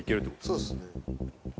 そうですね。